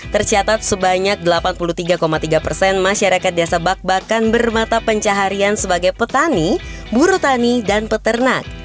tercatat sebanyak delapan puluh tiga tiga persen masyarakat desa bak bakan bermata pencaharian sebagai petani buru tani dan peternak